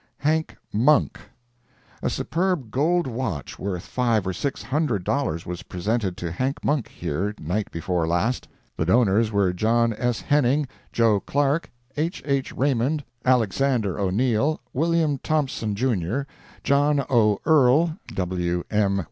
HANK MONK A superb gold watch, worth five or six hundred dollars, was presented to Hank Monk, here, night before last. The donors were John S. Henning, Joe Clark, H. H. Raymond, Alex. O'Neil, William Thompson, Jr., John 0. Earl, W. M.